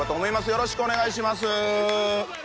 よろしくお願いします！